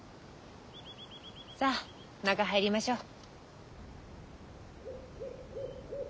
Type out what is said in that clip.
さあ中入りましょう。